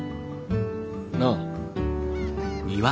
なあ。